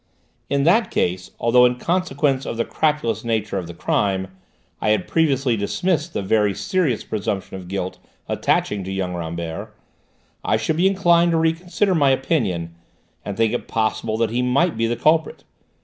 "In that case, although, in consequence of the crapulous nature of the crime, I had previously dismissed the very serious presumption of guilt attaching to young Rambert, I should be inclined to reconsider my opinion and think it possible that he might be the culprit.